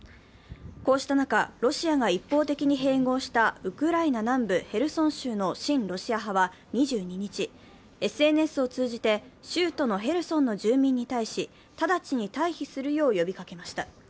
こうした中、ロシアが一方的に併合したウクライナ南部ヘルソン州の親ロシア派は２２日、ＳＮＳを通じて、州都のヘルソンの住民に対し直ちに退避するよう呼びかけました。